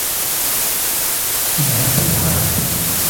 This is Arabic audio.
أنا احب اللغات!